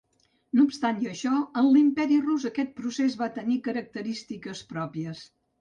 No obstant això, en l'Imperi Rus aquest procés va tenir característiques pròpies.